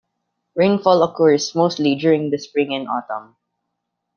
Rainfall occurs mostly during the spring and autumn.